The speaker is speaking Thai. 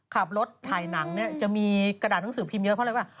ขับรถถ่ายหนังเนี่ยจะมีกระดาษหนังสือพิมพ์เยอะเพราะอะไรป่ะ